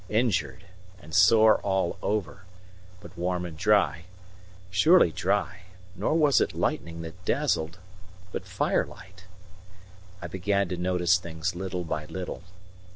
Injured, and sore all over, but warm and dry surely dry; nor was it lightning that dazzled, but firelight. I began to notice things little by little.